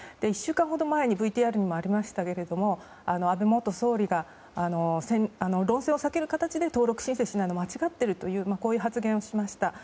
１週間ほど前にＶＴＲにもありましたが安倍元総理が論戦を避ける形で登録申請しないのは間違っていると発言しました。